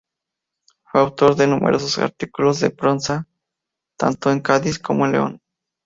Fue autor de numerosos artículos de prensa tanto en Cádiz como en León.